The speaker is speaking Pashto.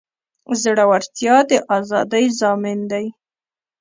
زړورتیا د ازادۍ ضامن دی.